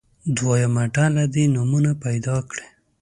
دویمه ډله دې نومونه پیدا کړي.